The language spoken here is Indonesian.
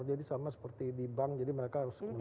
jadi sama seperti di bank jadi mereka harus melihat dulu